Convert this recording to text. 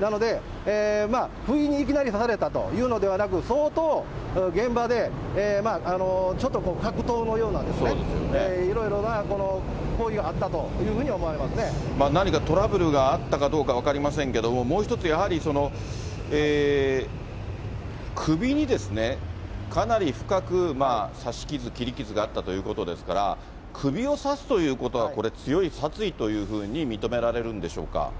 なので、不意にいきなり刺されたというのではなく、相当、現場でちょっとこう、格闘のようなですね、いろいろな行為があったというふうに思われ何かトラブルがあったかどうか分かりませんけれども、もう一つやはり、首にかなり深く刺し傷、切り傷があったということですから、首を刺すということは、これ、強い殺意というふうに認められるんでしょうか。